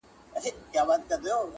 او مستعمره ټولنو